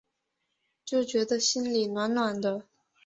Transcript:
就觉得心里暖暖的